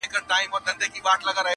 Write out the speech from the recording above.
هر یوه وه را اخیستي تومنونه!.